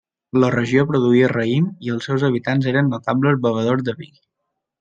La regió produïa raïm i els seus habitants eren notables bevedors de vi.